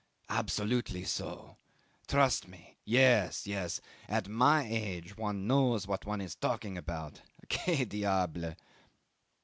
Absolutely so. Trust me. Yes. Yes. ... At my age one knows what one is talking about que diable!" .